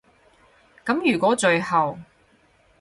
噉如果最後